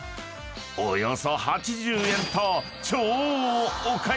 ［およそ８０円と超お買い得！］